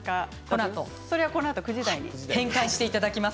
このあと９時台に浅尾さんに変換していただきます。